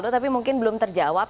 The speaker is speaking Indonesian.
tapi mungkin belum terjawab